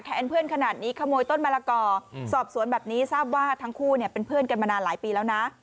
เพื่อนขนาดนี้ขโมยต้นมะละกอสอบสวนแบบนี้ทราบว่าทั้งคู่เนี่ยเป็นเพื่อนกันมานานหลายปีแล้วนะ